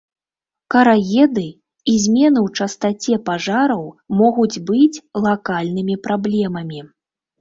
Караеды і змены ў частаце пажараў могуць быць лакальнымі праблемамі.